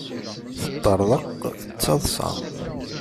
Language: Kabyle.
Teṭṭerḍeq d taḍsa.